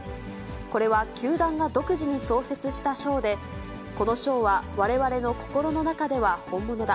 これは球団が独自に創設した賞で、この賞はわれわれの心の中では本物だ。